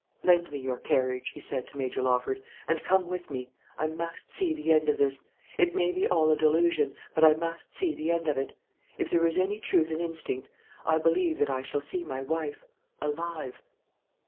"Lend me your carriage," he said to Major Lawford, "and come with me. I must see the end of this. It may be all a delusion; but I must see the end of it. If there is any truth in instinct, I believe that I shall see my wife alive."